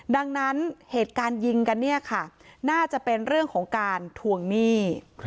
ดังนั้นเหตุการณ์ยิงกันเนี่ยค่ะน่าจะเป็นเรื่องของการทวงหนี้